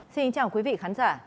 xin chào quý vị khán giả